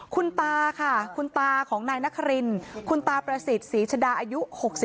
คุณตาค่ะคุณตาของนายนครินคุณตาประสิทธิ์ศรีชดาอายุ๖๒